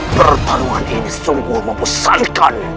pertarungan ini sungguh memusankan